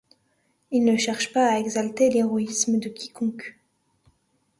Il ne cherche pas à exalter l'héroïsme de quiconque.